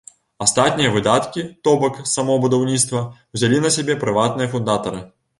Астатнія выдаткі, то бок само будаўніцтва, узялі на сябе прыватныя фундатары.